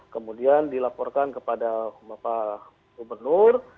kemudian dilaporkan kepada bapak gubernur